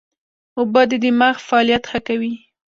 اوبه د دماغ فعالیت ښه کوي